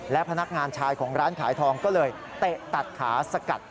และพนักงานชายของร้านขายทองก็เลยเตะตัดขาสกัด